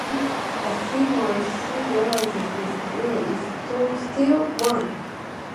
As she mourns, she realizes that his drool is still warm.